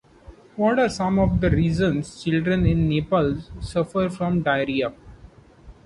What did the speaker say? What are some of the reasons children in Nepal suffer from diarrhea?